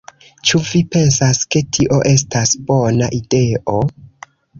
Ĉu vi pensas ke tio estas bona ideo?"